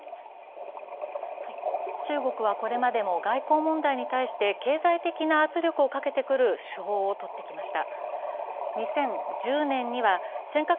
中国はこれまでも外交問題に対して経済的な圧力をかけてくる手法をとってきました。